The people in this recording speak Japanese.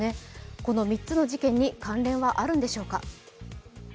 この３つの事件に関連はあるんでしょうか。